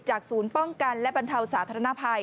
ศูนย์ป้องกันและบรรเทาสาธารณภัย